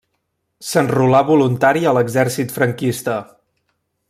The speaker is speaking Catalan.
S'enrolà voluntari a l'exèrcit franquista.